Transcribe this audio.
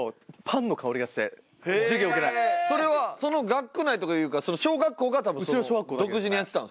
それはその学区内というかその小学校が独自にやってたんですか？